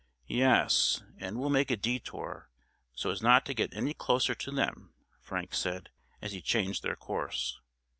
"Yes, and we'll make a detour, so as not to get any closer to them," Frank said, as he changed their course.